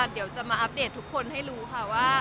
เดี๋ยวจะมาอัปเดตทุกคนให้รู้ค่ะว่า